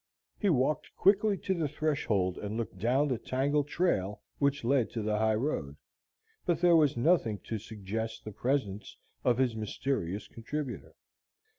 He walked quickly to the threshold and looked down the tangled trail which led to the high road. But there was nothing to suggest the presence of his mysterious contributor.